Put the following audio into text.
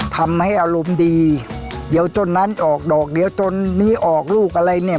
ทำให้อารมณ์ดีเดี๋ยวจนนั้นออกดอกเดี๋ยวจนนี้ออกลูกอะไรเนี่ย